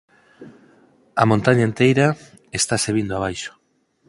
A montaña enteira estase vindo abaixo.